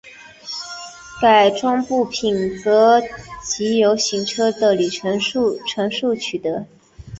改装部品则藉由行车的里程数取得。